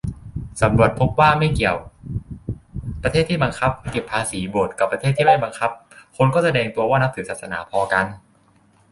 สำรวจพบว่าไม่เกี่ยว ประเทศที่บังคับเก็บภาษีโบสถ์กับประเทศที่ไม่บังคับ คนก็แสดงตัวว่านับถือศาสนาพอกัน